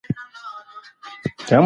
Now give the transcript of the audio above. کره ليکنۍ بڼه ډېره مهمه ده.